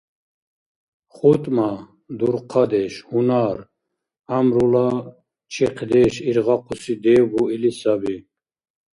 ХутӀма — дурхъадеш, гьунар, гӀямрула чихъдеш иргъахъуси дев буили саби.